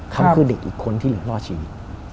เขาคือเด็กอีกคนที่เหลือรอดชีวิต